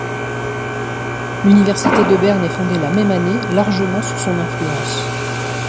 L'université de Berne est fondée la même année largement sous son influence.